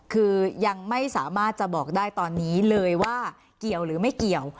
คือยังไม่สามารถจะบอกได้ตอนนี้เลยว่าเกี่ยวหรือไม่เกี่ยว